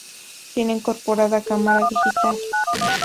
Tiene incorporada cámara digital.